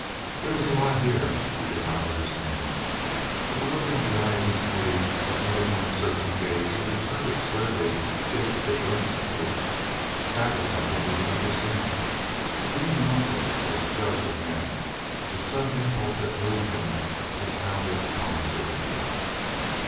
There was a lot here he did not understand. But the look in the eyes of Smithy that met his own searching gaze and returned it squarely if a bit whimsically—that was something he could understand. Dean Rawson was a judge of men. The sudden impulse that moved him was founded upon certainty.